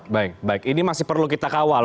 baik baik ini masih perlu kita kawal